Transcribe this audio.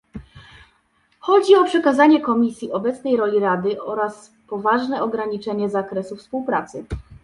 Chodzi o przekazanie Komisji obecnej roli Rady oraz poważne ograniczenie zakresu współpracy